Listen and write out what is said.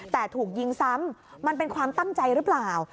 แต่ถูกยิงซ้ำมันเป็นความตั้งใจหรือเปล่า